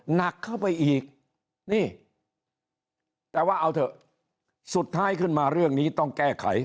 หนักเข้าไปอีกนี่แต่ว่าเอาเถอะสุดท้ายขึ้นมาเรื่องนี้ต้องแก้ไข